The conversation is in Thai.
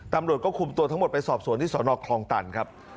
ตำรวจก็คุมตัวทั้งหมดไปสอบสวนที่สนคลองตันครับ